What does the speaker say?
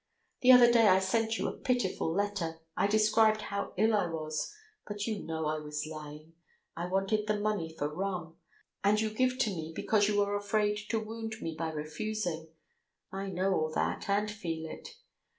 The other day I sent you a pitiful letter, I described how ill I was, but you know I was lying, I wanted the money for rum. And you give to me because you are afraid to wound me by refusing. I know all that, and feel it.